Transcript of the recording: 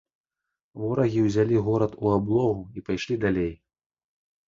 Ворагі ўзялі горад у аблогу і пайшлі далей.